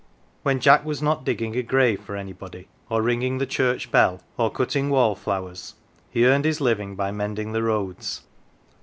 When Jack was not digging a grave for anybody, or ringing the church bell, or cutting wall flowers, he earned his living by mending the roads.